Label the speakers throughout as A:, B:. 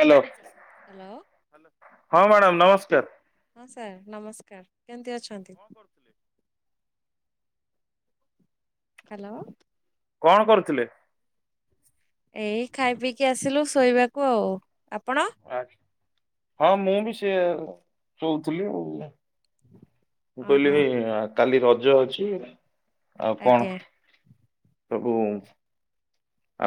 A: Hello
B: hello
A: ହଁ madam ନମସ୍କାର।
B: ହଁ ସାର୍ ନମସ୍କାର କେମିତି ଅଛନ୍ତି? ହ୍ୟାଲୋ।
A: କଣ କରୁଥିଲେ?
B: ଏଇ ଖାଇ ପିଇକି ଆସିଲୁ ଶୋଇବାକୁ ଆଉ ଆପଣ?
A: ଆା ହଁ ମୁଁ ବି ସେୟା ସୋଉଥିଲି ଆଉ।
B: [inaudible]
A: ମୁଁ
B: ଓହୋ
A: କହିଲିି କାଲି ରଜ ଅଛି ଆଉ
B: ଆଜ୍ଞା
A: କଣ? ସବୁ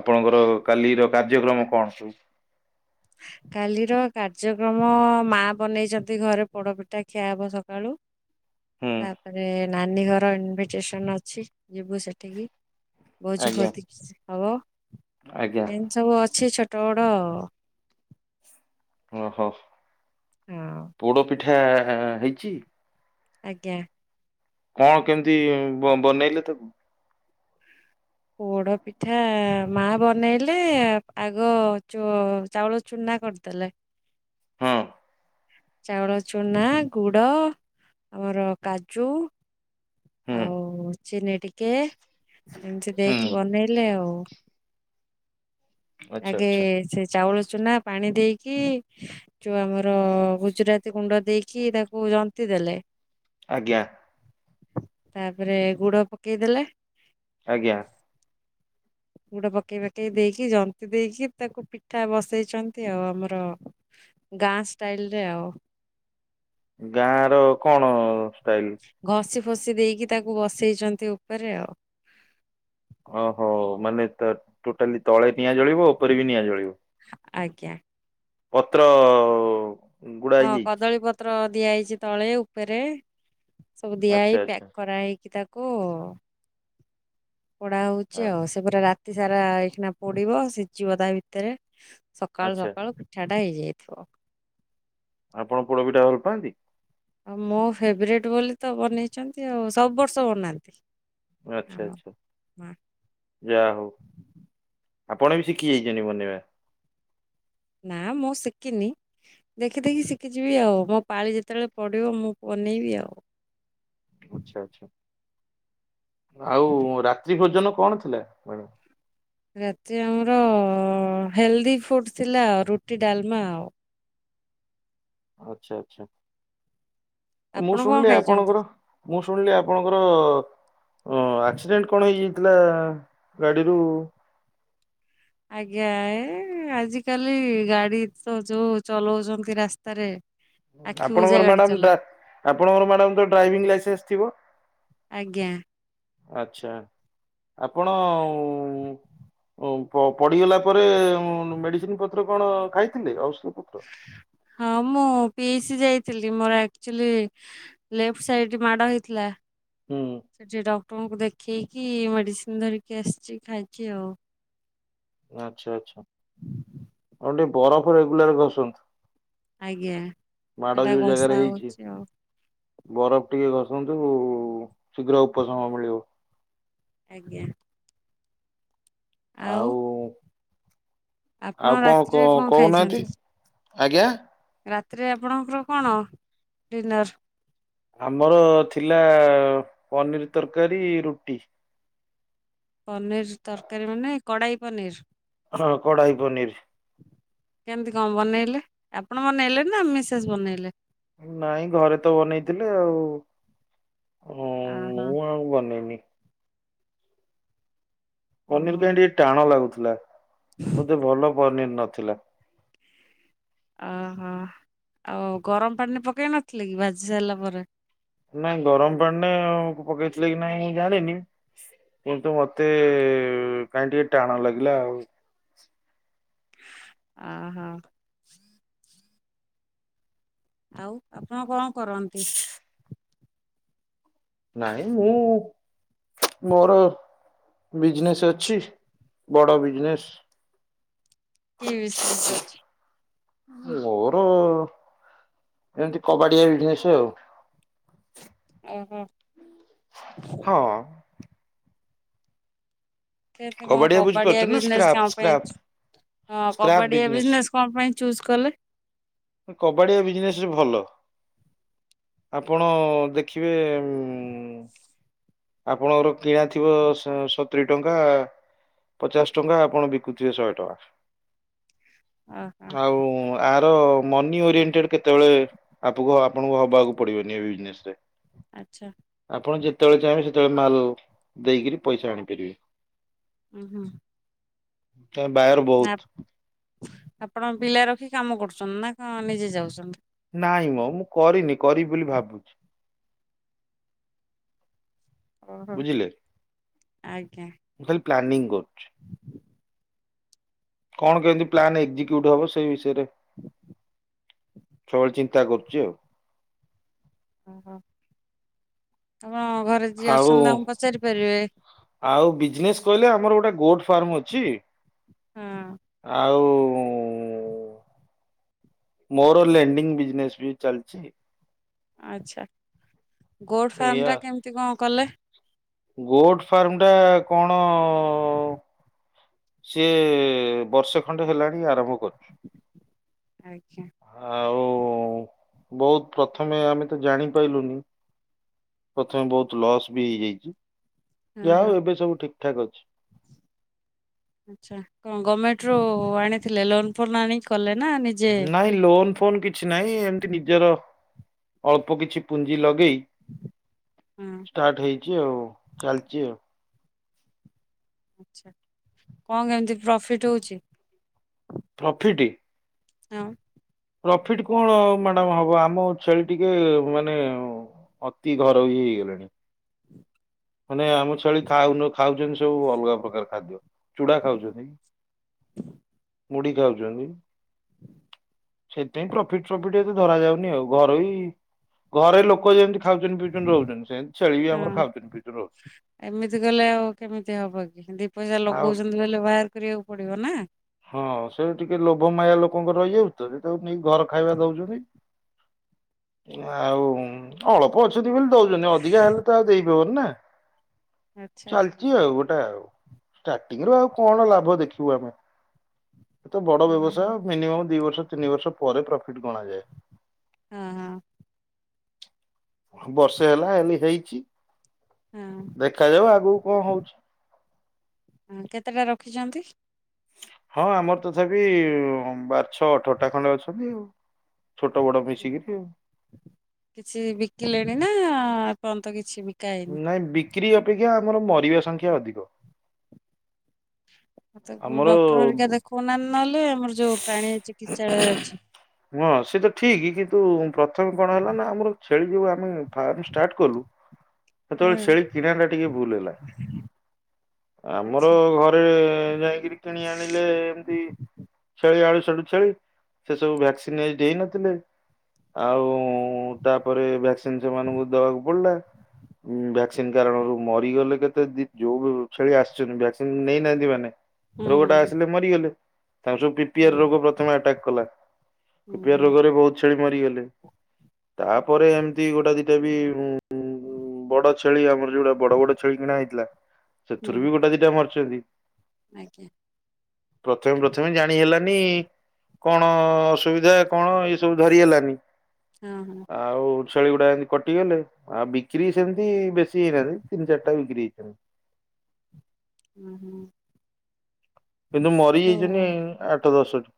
A: ଆପଣଙ୍କର କାଲିର କାର୍ଯ୍ୟକ୍ରମ କଣ ସବୁ।
B: କାଲିର କାର୍ଯ୍ୟକ୍ରମ ମା ବନେଇଛନ୍ତି ଘରେ ପୋଡପିଠା ଖିଆ ହବ ସକାଳୁ।
A: [inaudible]
B: ତାପରେ ନାନୀ ଘର ଇନଭିଟେସନ ଅଛି ଯିବୁ ସେଠିକି। ଭୋଜି
A: ଆଜ୍ଞା
B: ଫତି କିଛି ହବ
A: ଆଜ୍ଞା
B: ଏମିତି ସବୁ ଅଛି ଛୋଟ ବଡ।
A: ଓହୋ।
B: ହଁ।
A: ପୋଡ଼ପିଠା ହେଇଚି?
B: ଆଜ୍ଞା।
A: କଣ କେମିତି ବ ବନେଇଲେ ତାକୁ?
B: ପୋଡପିଠା ମା ବନେଇଲେ ଆଗ ଚ ଚାଉଳ ଚୁନା କରିଦେଲେ।
A: [inaudible]
B: ଚାଉଳ ଚୁନା ଗୁଡ଼ ଆମର କାଜୁ
A: ହୁଁ
B: ଆଉ ଚିନି ଟିକେ ଏମିତି
A: ହୁଁ
B: ଦେଇକି ବ ବନେଇଲେ ଆଉ
A: ଆଚ୍ଛା
B: ଆଗେ
A: ଆଚ୍ଛା
B: ସେ ଚାଉଳ ଚୁନା ପାଣି ଦେଇକି ଯଉ ଆମର ଗୁଜୁରାତି ଗୁଣ୍ଡ ଦେଇକି ତାକୁ ଜନ୍ତିି ଦେଲେ
A: ଆଜ୍ଞା।
B: ତାପରେ ଗୁଡ ପକେଇଦେଲେ
A: ଆଜ୍ଞା।
B: ଗୁଡ ପକେଇ ପାକେଇ ଦେଇକି ଜନ୍ତିି ଦେଇକି ତାକୁ ପିଠା ବସେଇଛନ୍ତି ଆଉ ଆମର ଗାଁ ଷ୍ଟାଇଲ ରେ ଆଉ।
A: ଗାଁର କଣ ଷ୍ଟାଇଲ?
B: ଘସି ଫସିି ଦେଇକି ତାକୁ ବସେଇଛନ୍ତି ଉପରେ ଆଉ।
A: ଓହୋ ମାନେ ତ ଟୋଟାଲି ତଳେ ନିଆଁ ଜଳିବ ଉପରେ ବି ନିଆଁ ଜଳିବ।
B: ଆଜ୍ଞା।
A: ପତ୍ର ଗୁଡା
B: ହଁ
A: ହେଇଯାଇଛି
B: କଦଳୀ ପତ୍ର ଦିଆ ହେଇଛି ତଳେ ଉପରେ ସବୁ ଦିଆ
A: ଆଚ୍ଛା
B: ହେଇ ପ୍ୟାକ୍
A: ଆଚ୍ଛା
B: କରା ହେଇକି ତାକୁ ପୋଡା ହଉଛି
A: ଆ-
B: ଆଉ ସେପୁରା ରାତି ସାରା ଏଇଖିନା ପୋଡିବ ସିଝିବ ତା ଭିତରେ ସକାଳୁ
A: ଆଚ୍ଛା।
B: ସକାଳୁ ପିଠାଟା ହେଇଯାଇଥିବ।।
A: ଆପଣ ପୋଡପିଠା ଭଲ ପାଆନ୍ତି?
B: ଆଉ ମୋ ଫେବରେଟ୍ ବୋଲି ତ ବନେଇଛନ୍ତି ଆଉ ସବୁ ବର୍ଷ ବନାନ୍ତି।
A: ଆଚ୍ଛା
B: ଆମ
A: ଆଚ୍ଛା।
B: ମା
A: ଯା ହଉ ଆପଣ ବି ଶିକି ଯାଇଛନ୍ତି ବନେଇବା।
B: ନାଁ ମୁଁ ଶିକିନି ଦେଖି ଦେଖି ଶିକିଯିବି ଆଉ ମୋ ପାଳି ଯେତେବେଳେ ପଢିବ ମୁଁ ବନେଇବି ଆଉ।
A: ଆଚ୍ଛା ଆଚ୍ଛା ଆଉ ରାତ୍ରି ଭୋଜନ କଣ ଥିଲା ମାଡାମ?
B: ରାତି ଆମର ହେଲ୍ ଦି ଫୁଟ୍ ଥିଲା ଆଉ ରୁଟି ଡାଲମା ଆଉ।
A: ଆଚ୍ଛା ଆଚ୍ଛା ମୁଁ
B: ଆପଣ କଣ
A: ଶୁଣିଲି
B: ଖାଇଛନ୍ତି
A: ଆପଣଙ୍କର ମୁଁ ଶୁଣିଲି ଆପଣଙ୍କର ଆକ୍ସିଡେଣ୍ଟ କଣ ହେଇଯାଇ ଥିଲା ଗାଡିରୁ?
B: ଆଜ୍ଞା ଏ ଆଜିକାଲି ଗାଡିତ ଯୋଉ ଚଲଉଛନ୍ତି ରାସ୍ତାରେ। ଆଖି ବୁଜା
A: ଆପଣଙ୍କର
B: ଗାଡି
A: ମ୍ୟାଡମ
B: ଚଲା
A: ଡା ଆପଣଙ୍କର ମ୍ୟାଡ ତ ଡ୍ରାଇଭିଂ ଲାଇସେନ୍ସ ଥିବ।
B: ଆଜ୍ଞା।
A: ଆଚ୍ଛା ଆପଣ ଉଁ ପଡିଗଲା ପରେ ମେଡିସିନ ପତ୍ର କଣ ଖାଇଥିଲେ ଔଷଧ ପତ୍ର?
B: ହଁ ମୁଁ ପିସି ଯାଇଥିଲି ମୋର ଆକ୍ଚୁଲି ଲେଫ୍ଟ ସାଇଡ ମାଡ ହେଇଥିଲା।
A: ହୁଁ।
B: ସେଠି ଡକ୍ଟରଙ୍କୁ ଦେଖେଇକି ମେଡିସିନ ଧରିକି ଆସିଛି ଖାଇକି ଆଉ।
A: ଆଚ୍ଛା ଆଚ୍ଛା ଆଉ ଟିକେ ବରଫ ରେଗୁଲାର ଘସନ୍ତୁ।
B: ଆଜ୍ଞା ସେଟା
A: ଯୋଉ ଜାଗାରେ
B: ଘସା
A: ହେଇଛି
B: ହଉଛି ଆଉ।
A: ବରଫ ଟିକେ ଘଷନ୍ତୁ ଶୀଘ୍ର ଉପଶମ ମିଳିବ।
B: ଆଜ୍ଞା।
A: ଆଉ
B: ଆପଣ
A: ଆଉ କଣ
B: ରାତିରେ
A: କ କହୁନାହାନ୍ତି
B: ଖାଇଛନ୍ତି?
A: ଆଜ୍ଞା।
B: ରାତିରେ ଆପଣଙ୍କର କଣ ଡିନର୍?
A: ଆମର ଥିଲା ପନିର ତରକାରୀ ରୁଟି।
B: ପନିର ତରକାରୀ ମାନେ କଡ଼ାଇ ପନିର?
A: ହଁ କଡ଼ାଇ ପନିର।
B: କେମତି କଣ ବନେଇଲେ ଆପଣ ବନେଇଲେ ନା ମିସେସ୍ ବନେଇଲେ?
A: ନାଇଁ ଘରେ ତ ବନେଇଥିଲେ ଆଉ
B: ଓ ହୋ।
A: ହ ମୁଁ ବନେଇନି। ପନିର
B: ଓହୋ
A: କାହିଁ ଟିକେ ଟାଣ ଲାଗୁଥିଲା ବୋଧେ ଭଲ ପନିର ନଥିଲା।
B: ଓହୋ ଆଉ ଗରମ ପାଣିରେ ପକେଇ ନଥିଲେ କି ବାଜି ସାରିଲା ପରେ।
A: ନାଇଁ ଗରମ ପାଣିରେ ପକେଇଥିଲେ କି ନାଇଁ ମୁଁ ଜାଣିନି। କିନ୍ତୁ ମତେ କାହିଁ ଟିକେ ଟାଣ ଲାଗିଲା ଆଉ।
B: ଅହୋ। ଆଉ ଆପଣ କଣ କରନ୍ତି?
A: ନାଇଁ ମୁଁ ମୋର ବିଜନେସ୍ ଅଛି ବଡ଼ ବିଜନେସ୍।
B: କି ବିଜନେସ୍ ଅଛି?
A: ମୋର ଏମିତି କବାଡିଆ ବିଜିନେସ ଆଉ।
B: ଓ ହ।
A: ହଁ।
B: କେତେ କଣ କବାଡିଆ
A: ବୁଝିପାରୁଛନ୍ତି ନା
B: ବିଜନେସ
A: ସ୍କ୍ରାପ୍
B: କଣ ପାଇଁ
A: ସ୍କ୍ରାପ୍
B: ହଁ
A: ସ୍କ୍ରାପ୍
B: କବାଡିଆ
A: ବିଜନେସ୍।
B: ବିଜନେସ କଣ ପାଇଁ ଚୁଜ୍ କଲେ?
A: କବାଡ଼ିଆ ବିଜନେସରେ ଭଲ। ଆପଣ ଦେଖିବେ ଆପଣଙ୍କର କିଣା ଥିବ ଶ୍ ସତୁରୀ ଟଙ୍କା। ପଚାଶ ଟଙ୍କା ଆପଣ ବିକୁଥିବେ ଶହେ
B: ଓହୋ
A: ଟଙ୍କା ଆଉ ତାର ମନି ଓରିଏଣ୍ଟେଡ କେତେବେଳେ ଆପୁକ ଆପଣଙ୍କୁ ହବାକୁ ପଡିବନି ଏ ବିଜନେସ। [unintelligible]
B: ଆଚ୍ଛା।
A: ଆପଣ ଯେତେବେଳେ ଚାହିଁବେ ସେତେବେଳେ ମାଲ ଦେଇକିରି ପଇସା ଆଣିପାରିବେ।
B: ହୁଁ ହୁଁ। ଆପ-
A: [unintelligible]
B: ଆପଣ ପିଲା ରଖି କାମ କରୁଛନ୍ତି ନା କଣ ନିଜେ ଯାଉଛନ୍ତି?
A: ନାଇଁ ମ ମୁଁ କରିନି କରିବି ବୋଲି ଭାବୁଛି।
B: ଓହୋ
A: ବୁଝିଲେ
B: ଆଜ୍ଞା।
A: ଖାଲି ପ୍ଲାନିଂ କରୁ କଣ କେମିତି ପ୍ଲାନ୍ ଏକ୍ଜିକ୍ୟୁଟ ହବ ସେଇ ବିଷୟରେ। ସବୁବେଳେ ଚିନ୍ତା କରୁଛି ଆଉ।
B: ଓହୋ ଆପଣ ଘରେ ଯିଏ
A: ଆଉ
B: ଅଛନ୍ତି ତାଙ୍କୁ ପଚାରି ପାରିବେ।
A: ଆଉ ବିଜନେସ୍ କହିଲେ ଆମର ଗୋଟେ ଗୋଟ ଫାର୍ମ ଅଛି
B: ହଁ
A: ଆଉ ମୋର ଲେଣ୍ଡିଙ୍ଗ ବିଜନେସ୍ ବି ଚାଲିଛି।
B: ଆଚ୍ଛା ଗୋଟ ଫାର୍ମ ଟା କେମିତି କଣ କଲେ?
A: ଗୋଟ ଫାର୍ମ ଟା କଣ? ସିଏ ବର୍ଷେ ଖଣ୍ଡେ ହେଲାଣି ଆରମ୍ଭ କରିଛୁ।
B: ଆଜ୍ଞା।
A: ଆଉ ବହୁତ ପ୍ରଥମେ ଆମେ ତ ଜାଣିପାଇଲୁନି। ପ୍ରଥମେ ବହୁତ ଲସ୍ ବି ହେଇଯାଇଛି
B: ହଁ
A: ଯାହା
B: ହଁ
A: ହଉ ଏବେ ସବୁ ଠିକ ଠାକ୍ ଅଛି।
B: ଆଚ୍ଛା କଣ ଗଭର୍ଣମେଣ୍ଟ ରୁ ଆଣିଥିଲେ ଲୋନ ଫୋନ ଆଣିକି କଲେ ନା ନିଜେ?
A: ନାଇଁ ଲୋନ ଫୋନ କିଛି ନାହିଁ ଏମତି ନିଜର ଅଳ୍ପ କିଛି ପୁଞ୍ଜି ଲଗେଇ
B: ହୁଁ।
A: ଷ୍ଟାର୍ଟ ହେଇଛି ଆଉ ଚାଲିଛି ଆଉ।
B: ଆଛା କଣ କେମିତି ପ୍ରଫିଟ ହଉଛି?
A: ପ୍ରଫିଟ୍?
B: ହଁ।
A: ପ୍ରଫିଟ କଣ ମ୍ୟାଡ଼ାମ ହବ ଆମ ଛେଳି ଟିକେ ମାନେ ଅତି ଘରୋଇ ହେଇଗଲେଣି। ମାନେ ଆମ ଛେଳି ଖାଉନ ଖାଉଛନ୍ତି ସବୁ ଅଲଗା ପ୍ରକାର ଖାଦ୍ୟ। ଚୁଡ଼ା ଖାଉଛନ୍ତି ମୁଢି ଖାଉଛନ୍ତି। ସେଥିପାଇଁ ପ୍ରଫିଟ ସଫିଟ ଏତେ ଧରା ଯାଉନି ଆଉ ଘରୋଇ ଘରେ ଲୋକ ଯେମିତି ଖାଉଛନ୍ତି ପିଉଛନ୍ତି ରହୁଛନ୍ତି ସେନ୍ତି ଛେଳି ବି ଆମର
B: ହଁ
A: ଖାଉଛନ୍ତିି।
B: ଏମିତି ଗଲେ ଆଉ କେମିତି ହବ କି ଦି ପଇସା
A: ଆଉ
B: ଲଗଉଛନ୍ତି ବୋଲି ବାହାର କରିବାକୁ ପଡିବ ନା।
A: ହଁ ସେ ଟିକେ ଲୋଭମାୟା ଲୋକଙ୍କର ରହିଯାଉ ତ ଯେ ତାକୁ ନେଇକି ଘର ଖାଇବା ଦଉଛନ୍ତି। ଆଉ ଅଳ୍ପ ଅଛନ୍ତି ବୋଲି ଦଉଛନ୍ତି ଅଧିକା ହେଲେ ତ ଆଉ ଦେଇହେବନ ନା।
B: ଆଚ୍ଛା।
A: ଚାଲିଛି ଆଉ ଗୋଟେ ଆଉ ଷ୍ଟାର୍ଟିଂ ରୁ ଆଉ କଣ ଲାଭ ଦେଖିବୁ ଆମେ। ଏ ତ ବଡ
B: ହଁ
A: ବ୍ୟବସାୟ
B: ହଁ
A: ମିନିମମ୍ ଦି ବର୍ଷ ତିନି ବର୍ଷ ପରେ ପ୍ରଫିଟ ଗଣାଯାଏ।
B: ହଁ ହଁ।
A: ବର୍ଷେ ହେଲା ଖାଲି ହେଇଛି।
B: ହଁ।
A: ଦେଖାଯାଉ ଆଗକୁ କଣ ହଉଛି।
B: ହଁ କେତେଟା ରଖିଛନ୍ତି?
A: ହଁ ଆମର ତଥାପି ବାର ଛଅ ଅଠରଟା ଖଣ୍ଡେ ଅଛନ୍ତି ଆଉ। ଛୋଟ ବଡ ମିଶିକିରି ଆଉ।
B: କିଛି ବିକିଲେଣି ନା ଏପର୍ନ୍ତ କିଛି ବିକ
A: ନାଇଁ ବିକ୍ରି ଅପେକ୍ଷା ଆମର ମରିବା ସଂଖ୍ୟା ଅଧିକ।
B: ମତେ କୋଉ
A: ଆମର
B: ଡକ୍ଟର ଘରିକା ଦେଖଉନାହାନ୍ତି ନହେଲେ ଆମର ଯୋଉ ପ୍ରାଣୀ ଚିକିତ୍ସାଳୟ ଅଛି।
A: ହଁ ସେ ତ ଠିକ୍ କିନ୍ତୁ ପ୍ରଥମେ କଣ ହେଲା ନା ଆମର ଛେଳି ଯୋଉ ଆମେ ଫାର୍ମ ଷ୍ଟାର୍ଟ କଲୁ ସେତେବେଳେ
B: ହୁଁ
A: ଛେଳି କିଣା ଟା ଟିକେ ଭୁଲ ହେଲା। ଆମର
B: ଆଚ୍ଛା।
A: ଘରେ ଯାଇକିରି କିଣି ଆଣିଲେ ଏମତି। ଛେଳି ଆଡୁ ସାଡୁ ଛେଳି ସେ ସବୁ ଭ୍ୟାକ୍ସିନ ନେଇ ଦେଇ ନଥିଲେ। ଆଉ ତାପରେ ଭ୍ୟାକ୍ସିନ ସେମାନଙ୍କୁ ଦବାକୁ ପଡିଲା। ଉ ଭ୍ୟାକ୍ସିନ କାରଣରୁ ମରିଗଲେ କେତେ ଯୋଉ ଛେଳି ଆସିଛନ୍ତି ଭ୍ୟାକ୍ସିନ ନେଇନାହାନ୍ତି ମାନେ
B: ହୁଁ
A: ରୋଗଟା
B: ହୁଁ
A: ଆସିଲେ ମରିଗଲେ। ତାଙ୍କ ସବୁ
B: ହୁଁ
A: ପିପିଆର ରୋଗ ପ୍ରଥମେ ଆଟାକ୍ କଲା।
B: ହୁଁ
A: ପିପିଆର ରୋଗରେ ବୋହୁତ ଛେଳି ମରିଗଲେ। ତାପରେ ଏମିତି ଗୋଟା ଦିଟା ବି ଉଁ ବଡ ଛେଳି ଆମର ଯୋଉଟା ବଡ ବଡ ଛେଳି କିଣା ହେଇଥିଲା।
B: ହୁଁ
A: ସେଥିରୁ
B: ହୁଁ
A: ବି ଗୋଟା ଦିଇଟା ମରୁଚନ୍ତି।
B: ଆଜ୍ଞା।
A: ପ୍ରଥମେ ପ୍ରଥ ମେ ଜାଣି ହେଲାନି କଣ ଅସୁବିଧା କଣ ଏ ସବୁ ଧରି ହେଲାନି।
B: ଓଁ ହଁ।
A: ଆଉ ଛେଳି ଗୁଡାଏ କଟିଗଲେ। ଆ ବିକ୍ରି ସେମିତି ବେଶୀ ହେଇନାହାନ୍ତି। ତିନି ଚାରିଟା ବିକ୍ରି ହେଇଚନ୍ତି।
B: ଉଁ ହୁଁ।
A: କିନ୍ତୁ
B: ତାକୁ
A: ମରିଯାଇଚନ୍ତି ଆଠ ଦଶଟି।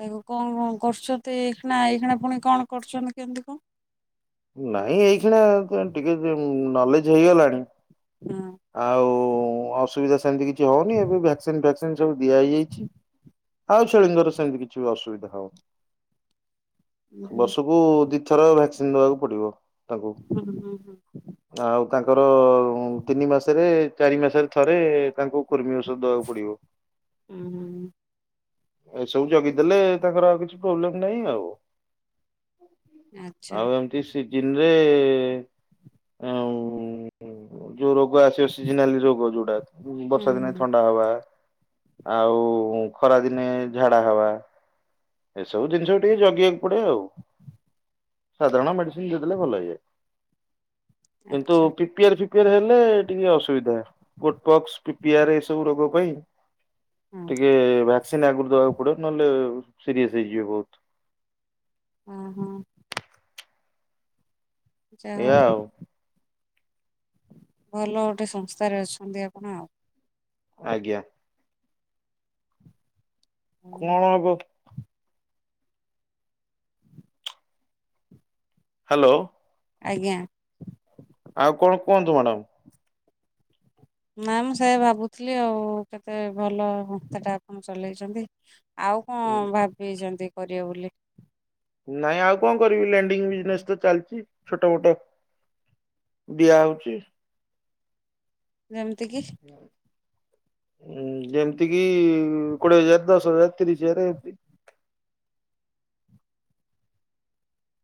B: ତାକୁ କଣ କଣ କରୁଚନ୍ତି। ଏଇଖିଣା ଏଇଖିଣା ପୁଣି କଣ କରୁଚନ୍ତି କେମିତି କଣ?
A: ନାଇଁ ଏଇଖିଣା ଟିକେ ନଲେଜ ହେଇଗଲାଣି।
B: ହଁ।
A: ଆଉ ଅସୁବିଧା ସେମତି କିଛି ହୋଉନି ଏବେ ଭ୍ୟାକ୍ସିନ ଫ୍ୟାକ୍ସିନ ସବୁ ଦିଆ ହେଇଯାଇଚି। ଆଉ ଛେଳିଙ୍କର ସେମିତି କିଛି ବି ଅସୁବିଧା ହବନି।
B: ହୁଁ ହୁଁ
A: ବର୍ଷ କୁ ଦିଥର ଭ୍ୟାକ୍ସିନ ଦବାକୁ ପଡିବ ତାକୁ।
B: ହୁଁ ହୁଁ ହୁଁ।
A: ଆଉ ତାଙ୍କର ତିନି ମାସରେ ଚାରି ମାସରେ ଥରେ ତାଙ୍କୁ କୃମି ଓଷଧ ଦବାକୁ ପଡିବ।
B: ଉଁ ହୁଁ
A: ଏସବୁ ଯୋଗେଇ ଦେଲେ ତାଙ୍କର ଆଉ କିଛି ପ୍ରୋବଲେମ ନାହିଁ ଆଉ।
B: ଆଚ୍ଛା
A: ଆଉ ଏମିତି ସିଜିନ୍ ରେ ଆଉ ଯୋଉ ରୋଗ ଆସିବ ସିଜନାଲି ରୋଗ ଯୋଉଟା
B: ହୁଁ
A: ବର୍ଷା ଦିନେ
B: ହୁଁ
A: ଥଣ୍ଡା ହବା। ଆଉ ଖରାଦିନେ ଝାଡା ହବା। ଏସବୁ ଜିନିଷ ବି ଟିକେ ଜଗିବାକୁ ପଡେ ଆଉ ସାଧାରଣ ମେଡି ସିନ ଦେଲେ ଭଲ ହେଇଯାଏ। କିନ୍ତୁ
B: ଆଚ୍ଛା
A: ପି ପିଆର ସିପିଆର ହେଲେ ଟିକେ ଅସୁବିଧା। ଗୋଟପକ୍ସ ପିପିଆର ଏ ସବୁ ରୋଗ ପାଇଁ
B: ହଁ
A: ଟିକେ ଭ୍ୟାକ୍ସିନ୍ ଆଗରୁ ଦବାକୁ ପଡିବ ନହେଲେ ସିରିଏସ ହେଇଯିବେ ବୋହୁତ
B: ହୁଁ ହୁଁ। ଯାହା
A: ଏଇଆ
B: ହୋଉ।
A: ଆଉ
B: ଭଲ ଗୋଟେ ସଂସ୍ଥାରେ ଅଛନ୍ତି ଆପଣ।
A: ଆଜ୍ଞା। କଣ
B: ହୁଁ,
A: ହବ? ହାଲୋ।
B: ଆଜ୍ଞା।
A: ଆଉ କଣ କୁହନ୍ତୁ ମ୍ୟାଡମ୍।
B: ନା ମୁଁ ସେଇଆ ଭାବୁଥିଲି ଆଉ କେତେ ଭଲ ସଂସ୍ଥାଟା ଆପଣ ଚଲେଇଚନ୍ତି। ଆଉ କଣ ଭାବିଚନ୍ତି କରିବେ ବୋଲି?
A: ନାଇଁ ଆଉ କଣ କରିବି ଲ୍ୟାଣ୍ଡିଙ୍ଗ ବିଜନେସ୍ ତ ଚାଲିଚି। ଛୋଟ ମୋଟ ଦିଆ ହୋଉଚି।
B: ଯେମିତି କି।
A: ଉଁ ଯେମିତି କିି କୋଡିଏ ହଜାର ଦଶ ହଜାର ତିରିଶ ହଜାର ଏମିତି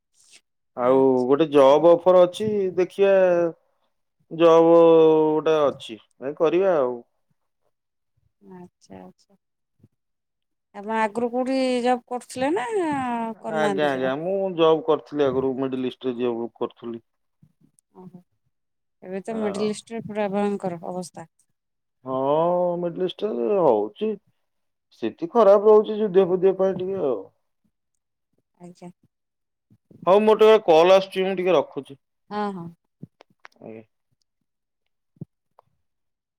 B: ହ [inaudible]
A: ଆଉ ଗୋଟେ ଜବ ଅଫର ଅଛି। ଦେଖିବା ଜବ ଟା ଅଛି [unintelligible] କରିବା ଆଉ।
B: ଆଚ୍ଛା ଆଚ୍ଛା ଆପଣ ଆଗରୁ କୋଉଠି ଜବ କରୁଥିଲେ ନା
A: ଆଜ୍ଞା
B: କରିନାହାନ୍ତି ଜମା?
A: ଆଜ୍ଞା ମୁଁ ଜବ କରିଥିଲି ଆଗରୁ ମିଡିଲିଷ୍ଟରେ ଜବ କରୁଥିଲି।
B: ଓହୋ ଏବେ ତ ମିଡିଲିଷ୍ଟରେ ପୁରା ଆପଣଙ୍କ ଅବସ୍ଥା।
A: [unintelligible]
B: ଆଚ୍ଛା।
A: ହଉ ମୋର ଟିକେ କଲ ଆସୁଚି ମୁଁ ଟିକେ ରଖୁଚି।
B: ହଁ ହଁ।
A: ଆଜ୍ଞା।